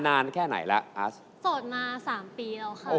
เหมาะมากเพราะว่าตัวสูงไงใช่คุณดูดิผมร้อยแปดสิบเจ็ดอ่ะ